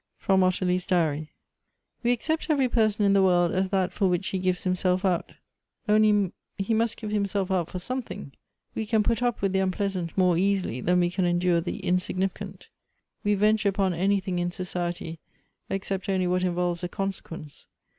FEOM OTTILIe's DIABY. "We accept every person in the world as that for which he gives himself out, only he must give himself 200 G O E T H B ' s out for something. We can put up with the unpleasant more easily than we can endure the insignificant. "We venture upon anything in society except only what involves a consequence.